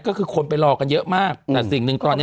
ก็คือคนไปรอกันเยอะมากแต่สิ่งหนึ่งตอนนี้